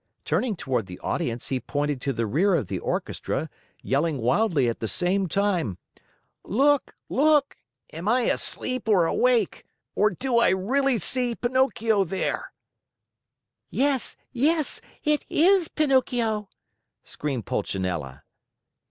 Turning toward the audience, he pointed to the rear of the orchestra, yelling wildly at the same time: "Look, look! Am I asleep or awake? Or do I really see Pinocchio there?" "Yes, yes! It is Pinocchio!" screamed Pulcinella.